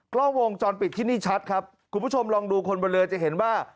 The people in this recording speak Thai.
กล้องวงจรปิดที่นี่ชัดครับคุณผู้ชมลองดูคนบนเรือจะเห็นว่า